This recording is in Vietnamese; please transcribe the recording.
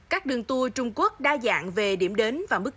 các đường tour trung quốc đông bắc á đông bắc á đông bắc á đông bắc á